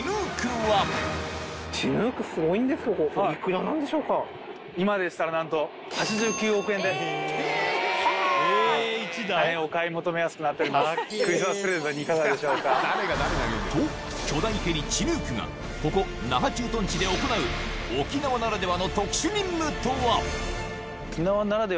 はぁ！と巨大ヘリチヌークがここ那覇駐屯地で行う沖縄ならではの特殊任務とは？